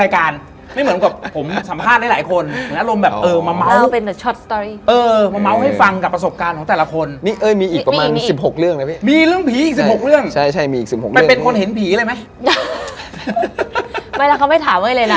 กลิ่นหอมแล้วมากับเสียงปริศนา